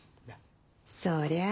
そりゃあ